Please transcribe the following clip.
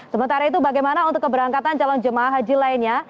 sementara itu bagaimana untuk keberangkatan calon jemaah haji lainnya